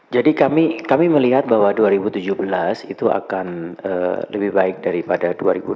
kami melihat bahwa dua ribu tujuh belas itu akan lebih baik daripada dua ribu dua puluh